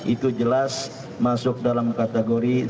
itu jelas masuk dalam kategori